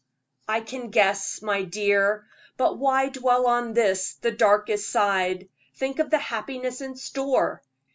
"I can guess, my dear; but why dwell on this, the darkest side? Think of the happiness in store!